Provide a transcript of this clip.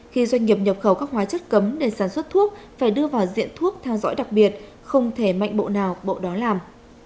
khi doanh nghiệp nhập khẩu các hóa chất cấm để sản xuất thuốc phải đưa vào diện thuốc theo dõi đặc biệt không thể mạnh bộ nào bộ đó làm